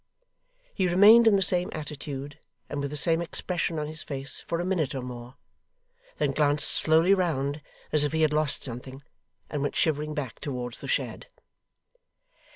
He remained in the same attitude and with the same expression on his face for a minute or more; then glanced slowly round as if he had lost something; and went shivering back, towards the shed.